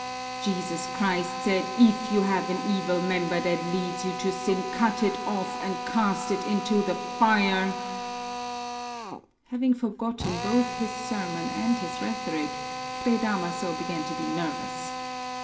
Jesus Christ said: 'If you have an evil member that leads you to sin, cut it off, and cast it into the fire '" Having forgotten both his sermon and his rhetoric, Fray Damaso began to be nervous.